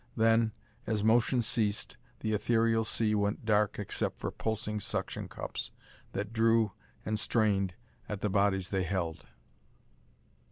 Then, as motion ceased, the ethereal sea went dark except for pulsing suction cups that drew and strained at the bodies they held.